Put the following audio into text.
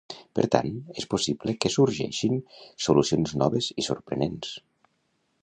Per tant, és possible que sorgeixin solucions noves i sorprenents.